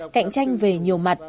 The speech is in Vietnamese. cạnh tranh về nhiều mặt